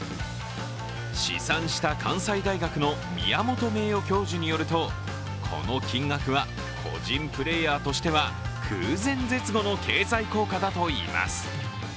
試算した関西大学の宮本名誉教授によるとこの金額は個人プレーヤーとしては空前絶後の経済効果だといいます。